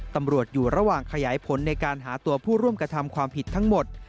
ตำรวจอยู่ระหว่างขยายผลในการหาตัวผู้ร่วมกระทำความผิดทั้งหมด